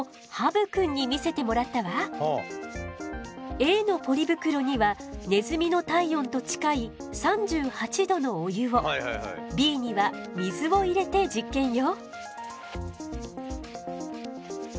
Ａのポリ袋にはネズミの体温と近い３８度のお湯をＢには水を入れて実験よ。